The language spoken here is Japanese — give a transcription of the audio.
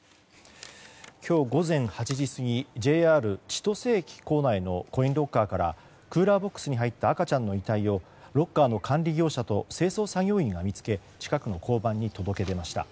今日午前８時すぎＪＲ千歳駅構内のコインロッカーからクーラーボックスに入った赤ちゃんの遺体をロッカーの管理業者と清掃作業員が見つけ近くの交番に届け出ました。